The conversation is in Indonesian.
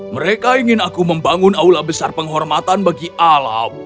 mereka ingin aku membangun aula besar penghormatan bagi alam